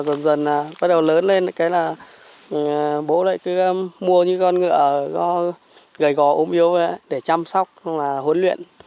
dần dần bắt đầu lớn lên cái là bố lại cứ mua những con ngựa gầy gò ôm yếu để chăm sóc hỗn luyện